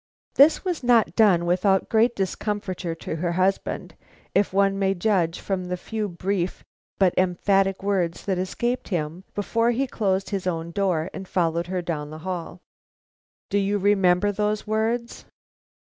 But this was not done without great discomfiture to her husband, if one may judge from the few brief but emphatic words that escaped him before he closed his own door and followed her down the hall." "Do you remember those words?"